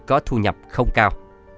có thu nhập không cao